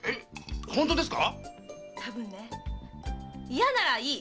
嫌ならいい！